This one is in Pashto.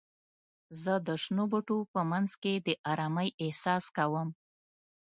زه د شنو بوټو په منځ کې د آرامۍ احساس کوم.